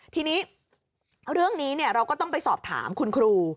ทีนี้เรื่องนี้เราก็ต้องไปสอบถามคุณครู